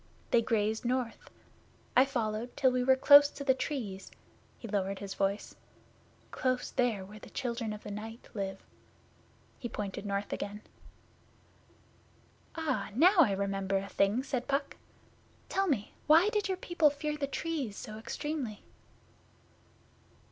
They grazed north. I followed till we were close to the Trees' he lowered his voice 'close there where the Children of the Night live.' He pointed north again. 'Ah, now I remember a thing,' said Puck. 'Tell me, why did your people fear the Trees so extremely?